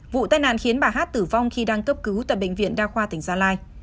vụ tai nạn khiến bà hát tử vong khi đang cấp cứu tại bệnh viện đa khoa tỉnh gia lai